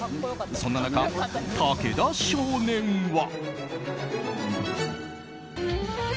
そんな中、武田少年は。